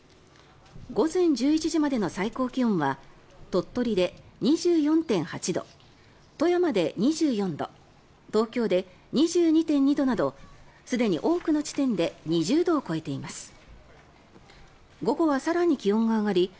午前１１時までの最高気温は鳥取で２４．８度富山で２４度東京で２２．２度などすでに多くの地点で２０度を超えています。